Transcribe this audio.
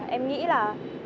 em nghĩ là